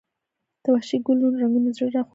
د وحشي ګلونو رنګونه زړه راښکونکي دي